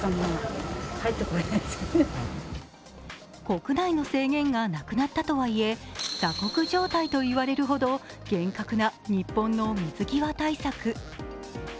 国内の制限がなくなったとはいえ、鎖国状態と言われるほど厳格な日本の水際対策。